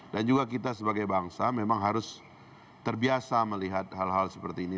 dan juga kita sebagai bangsa memang harus terbiasa melihat hal hal seperti ini